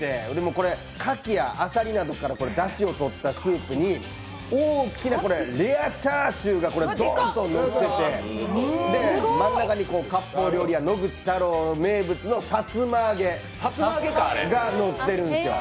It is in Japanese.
これカキやアサリなどからだしを取ったスープに大きなレアチャーシューがドーンとのってて、真ん中に割烹料理店・野口太郎名物のさつま揚げがのっているんですよ。